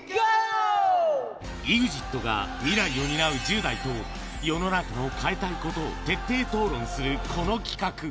ＥＸＩＴが未来を担う１０代と、変えたいことを徹底討論するこの企画。